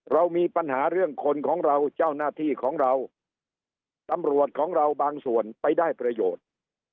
เรามีปัญหาเรื่องคนของเราเจ้าหน้าที่ของเราตำรวจของเราบางส่วนไปได้ประโยชน์